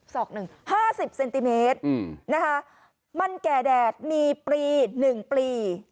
สอกนึงห้าสิบเซนติเมตรนะคะมั่นแก่แดดมีปรี๑ปรี